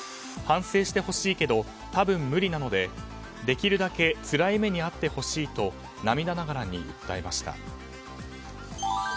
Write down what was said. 反省してほしいけど多分無理なので、できるだけつらい目に遭ってほしいと涙ながらに訴えました。